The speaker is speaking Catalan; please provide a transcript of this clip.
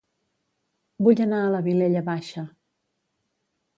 Vull anar a La Vilella Baixa